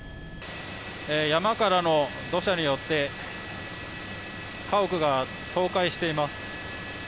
山からの土砂によって家屋が倒壊しています。